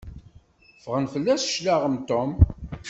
Ffɣen fell-as cclaɣem Tom.